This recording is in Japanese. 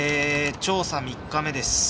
調査３日目です